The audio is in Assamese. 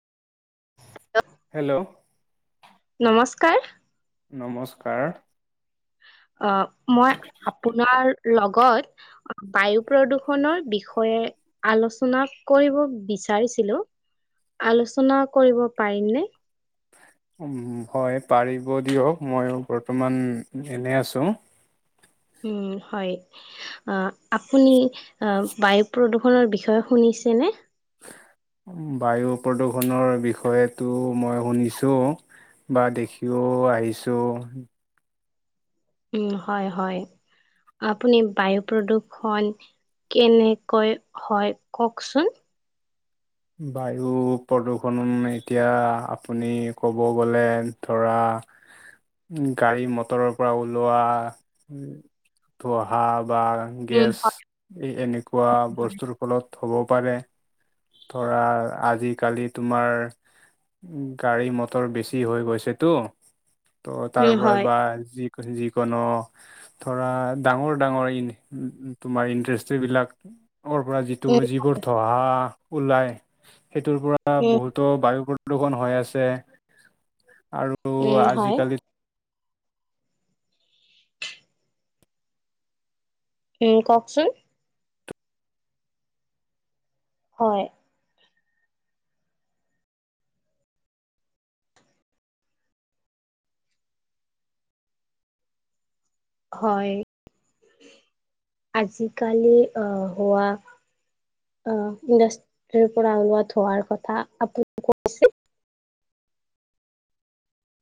হেল্ল'। কাৰ নমস্কাৰ। অ মই আপোনাৰ লগত বায়ু প্ৰদূষণৰ বিষয়ে আলোচনা কৰিব বিচ বিচাৰিছিলো আলোচনা কৰিব পাৰিমনে? হয় পাৰিব দিয়ক মই বৰ্তমান এনে আছো। [inaudible] উ হয়। অ আপুনি অ বায়ু প্ৰদূষণৰ বিষয়ে শুনিছেনে? বায়ু প্ৰদূষণৰ বিষয়েটো মই শুনিছোঁ। বা দেখিও আহিছোঁ। উম হয় হয়, আপুনি বায়ু প্ৰদূষণ কেনেকৈ হয় কওকচোন? বায়ু প্ৰদূষণ এতিয়া আপুনি ক'ব গলে ধৰা অ গাড়ী মটৰৰ পৰা ওলোৱা ধোহা বা উম গেছ হয়। এনেকুৱা বস্তুৰ ফলত হ'ব পাৰে। ধৰা আজিকালি তোমাৰ গাড়ী, মটৰ বেছি হৈ গৈছেতো। ত' তাৰ [unintelligible] উম পৰা হয় বা যি যিকোনো ধৰা ডাঙৰ ডাঙৰ ইণ তোমাৰ ইণ্টেষ্ট্ৰীবিলাক পৰা যিটো উম যিবোৰ ধঁহা ওলাই সেইটোৰ পৰা উম বহুতো বায়ু প্ৰদূষণ হৈ আছে আৰু উম হয় আজিকালি উম কওকচোন। হয়। হয় আজিকালি অহ হোৱা অ ইণ্ডাষ্ট্ৰিৰ পৰা ওলোৱা ধোৱাৰ কথা আপুনি কৈছে